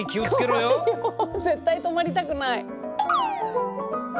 絶対泊まりたくない。